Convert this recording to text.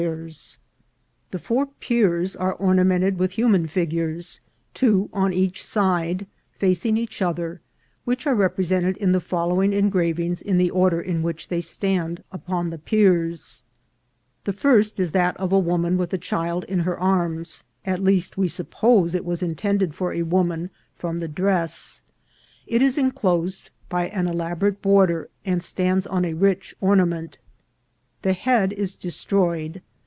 • 340 INCIDENTS OF TRAVEL. The four piers are ornamented with human figures, two on each side, facing each other, which are repre sented in the following engravings in the order in which they stand upon the piers. The first is that of a woman with a child in her arms ; at least we suppose it to be intended for a woman from the dress. It is enclosed by an elaborate border, and stands on a rich ornament. The head is destroyed.